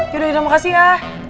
yaudah iya makasih ya